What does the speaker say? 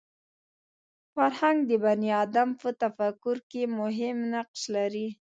فرهنګ د بني ادم په تفکر کې مهم نقش لري